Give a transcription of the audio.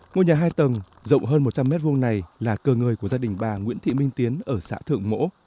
ngôi nhà hai tầng rộng hơn một trăm linh m hai này là cờ ngợi của gia đình bà nguyễn thị minh tiến ở xã thượng mỗ